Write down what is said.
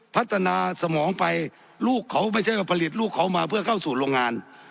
พัฒนาสมองไปลูกเขาไม่ใช่ว่าผลิตลูกเขามาเพื่อเข้าสู่โรงงาน